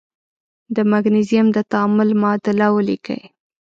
د مګنیزیم د تعامل معادله ولیکئ.